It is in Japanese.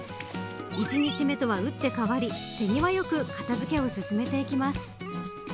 １日目とは、うって変わり手際よく片付けを進めていきます。